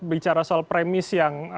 bicara soal premis yang